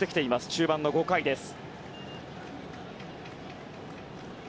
中盤の５回です。